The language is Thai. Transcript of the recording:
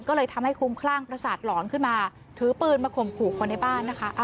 ก็เลยทำให้คุ้มคลั่งประสาทหลอนขึ้นมาถือปืนมาข่มขู่คนในบ้านนะคะ